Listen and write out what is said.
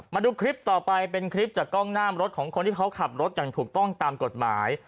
มาดูคลิปต่อไปเป็นคลิปจากกล้องหน้ามรถของคนที่เขาขับรถอย่างถูกต้องตามกฎหมาย